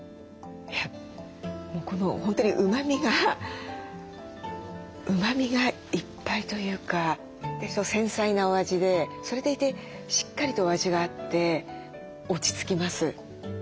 この本当にうまみがうまみがいっぱいというか繊細なお味でそれでいてしっかりとお味があって落ち着きます。